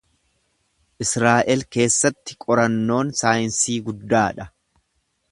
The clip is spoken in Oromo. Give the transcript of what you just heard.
Israa’el keessatti qorannoon saayinsii guddaa dha.